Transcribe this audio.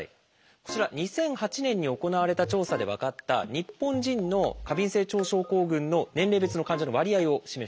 こちら２００８年に行われた調査で分かった日本人の過敏性腸症候群の年齢別の患者の割合を示しています。